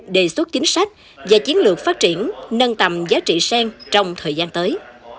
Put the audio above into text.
đề xuất chính sách và chiến lược phát triển nâng tầm giá trị sen trong thời gian tới